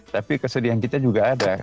tapi kesedihan kita juga ada